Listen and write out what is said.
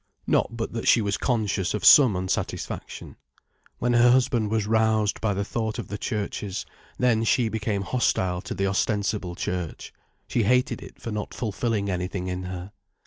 Not but that she was conscious of some unsatisfaction. When her husband was roused by the thought of the churches, then she became hostile to the ostensible church, she hated it for not fulfilling anything in her.